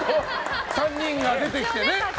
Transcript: ３人が出てきてね。